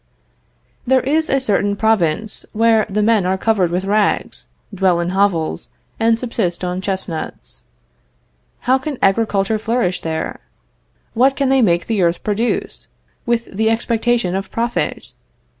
There is a certain province where the men are covered with rags, dwell in hovels, and subsist on chestnuts. How can agriculture flourish there? What can they make the earth produce, with the expectation of profit?